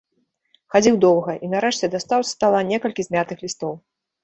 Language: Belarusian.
Хадзіў доўга і, нарэшце, дастаў з стала некалькі змятых лістоў.